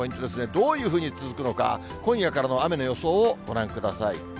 どういうふうに続くのか、今夜からの雨の予想をご覧ください。